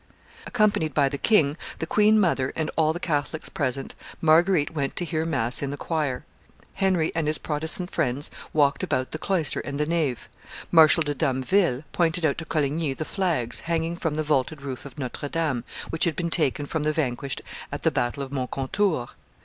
Accompanied by the king, the queen mother, and all the Catholics present, Marguerite went to hear mass in the choir; Henry and his Protestant friends walked about the cloister and the nave; Marshal de Damville pointed out to Coligny the flags, hanging from the vaulted roof of Notre Dame, which had been taken from the vanquished at the battle of Moncontour.